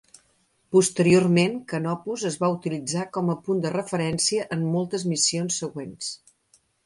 Posteriorment, Canopus es va utilitzar com a punt de referència en moltes missions següents.